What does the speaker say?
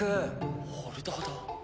ホルダーだ。